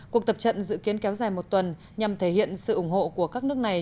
cuộc tập trận dự kiến kéo dài một tuần nhằm thể hiện sự ủng hộ của các nước này